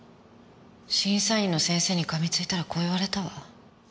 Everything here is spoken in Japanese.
審査員の先生に噛みついたらこう言われたわ。